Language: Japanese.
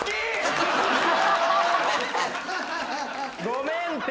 ごめんて。